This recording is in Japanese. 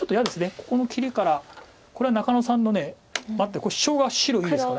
ここの切りからこれは中野さんのシチョウが白いいですから。